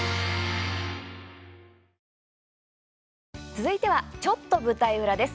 続いては「ちょっと舞台裏」です。